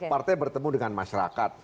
partai bertemu dengan masyarakat